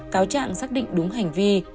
cáo trạng xác định đúng hành vi